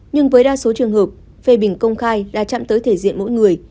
nhưng với đa số trường hợp phê bình công khai là chạm tới thể diện mỗi người